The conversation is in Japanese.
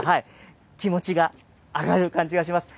気持ちが上がる感じがします。